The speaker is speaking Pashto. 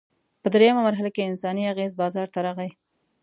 په درېیمه مرحله کې انساني اغېز بازار ته راغی.